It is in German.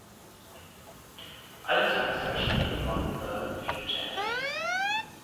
Alle Songs geschrieben von The Futureheads.